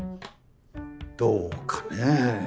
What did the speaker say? どうかね？